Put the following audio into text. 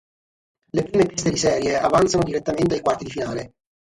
Le prime teste di serie avanzano direttamente ai quarti di finale.